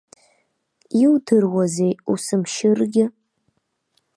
Иудыруазеи усымшьыргьы.